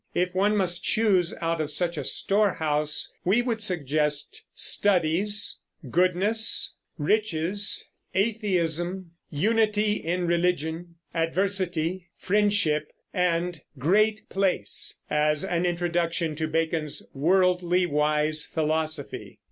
If one must choose out of such a storehouse, we would suggest "Studies," "Goodness," "Riches," "Atheism," "Unity in Religion," "Adversity," "Friendship," and "Great Place" as an introduction to Bacon's worldly wise philosophy.